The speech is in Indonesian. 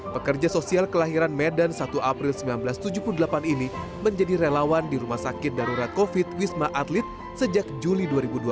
pekerja sosial kelahiran medan satu april seribu sembilan ratus tujuh puluh delapan ini menjadi relawan di rumah sakit darurat covid sembilan belas wisma atlet sejak juli dua ribu dua puluh